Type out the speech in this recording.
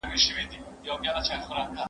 باران د پاڼې تازه والی ساتي.